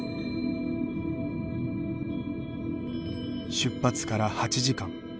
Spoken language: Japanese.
出発から８時間。